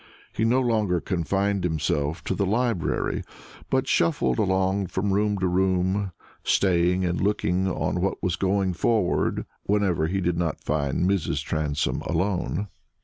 He no longer confined himself to the library, but shuffled along from room to room, staying and looking on at what was going forward whenever he did not find Mrs. Transome alone.